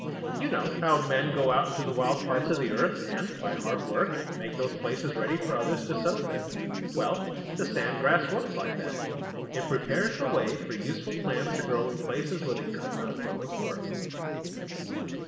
You know how men go out to the wild parts of the earth and, by hard work, make those places ready for others to settle there. Well, the sand grass works like that. It prepares the way for useful plants to grow in places where they could not grow before.